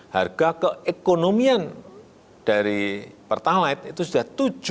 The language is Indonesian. harga keekonomian dari pertalite itu sudah tujuh belas seratus